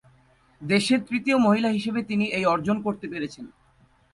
দেশের তৃতীয় মহিলা হিসেবে তিনি এই অর্জন করতে পেরেছেন।